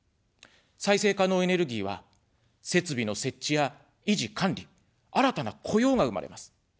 再生可能エネルギーは、設備の設置や維持管理、新たな雇用が生まれます。